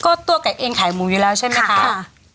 ก็ตัวไก่เองขายหมูอยู่แล้วใช่ไหมคะ